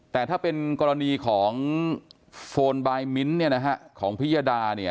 แต่ถ้าเป็นกรณีของโฟนบายมิ้นของพิยดา